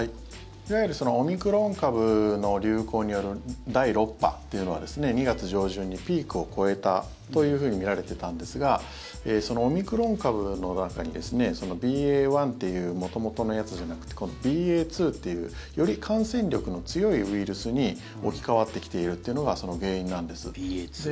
いわゆるオミクロン株の流行による第６波というのは２月上旬にピークを越えたというふうに見られていたんですがそのオミクロン株の中にＢＡ．１っていう元々のやつじゃなくて今度ＢＡ．２というより感染力の強いウイルスに置き換わってきているというのがその原因なんです。